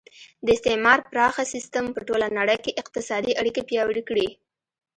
د استعمار پراخه سیسټم په ټوله نړۍ کې اقتصادي اړیکې پیاوړې کړې